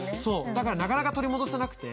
だからなかなか取り戻せなくて。